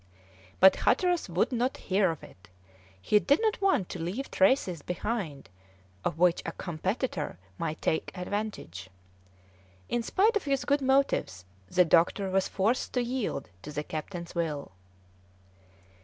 But Hatteras would not hear of it; he did not want to leave traces behind of which a competitor might take advantage. In spite of his good motives the doctor was forced to yield to the captain's will.